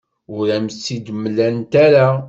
Ur am-tt-id-mlant ara.